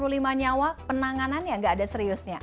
nah satu ratus tiga puluh lima nyawa penanganan yang gak ada seriusnya